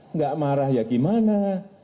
enggak marah ya gimana